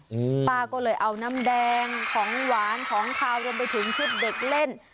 ป้าก็เลยเอาน้ำแดงของหวานของขาวรวมไปถึงชุดเด็กเล่น